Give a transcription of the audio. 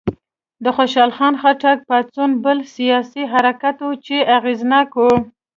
د خوشحال خان خټک پاڅون بل سیاسي حرکت و چې اغېزناک و.